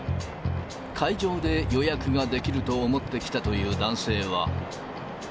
会場で予約ができると思って来たという男性は。